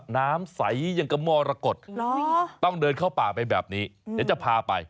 น้ำใสยังกระม่อละกดต้องเดินเข้าป่าไปแบบนี้เนี่ยจะพาไป